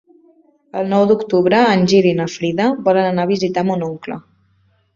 El nou d'octubre en Gil i na Frida volen anar a visitar mon oncle.